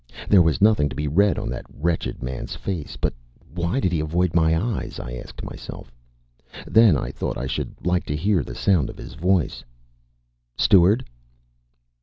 There was nothing to be read on that wretched man's face. But why did he avoid my eyes, I asked myself. Then I thought I should like to hear the sound of his voice. "Steward!"